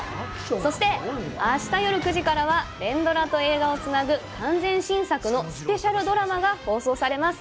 そして、明日よる９時からは連ドラと映画をつなぐ完全新作のスペシャルドラマが放送されます。